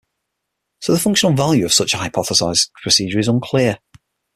So the functional value of such a hypothesized procedure is unclear.